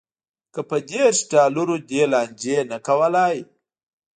که په دېرش ډالرو دې لانجې نه کولی.